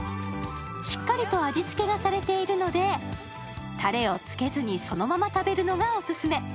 しっかりと味付けがされているのでたれをつけずにそのまま食べるのがオススメ。